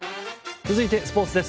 続いて、スポーツです。